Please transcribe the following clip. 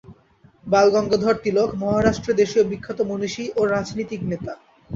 বালগঙ্গাধর তিলক মহারাষ্ট্রদেশীয় বিখ্যাত মনীষী ও রাজনীতিক নেতা।